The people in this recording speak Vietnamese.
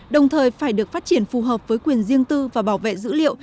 đồng thời phải được phát triển phù hợp với quyền riêng tư và bảo vệ dữ liệu